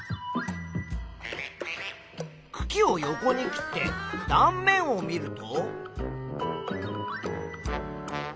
くきを横に切って断面を見ると。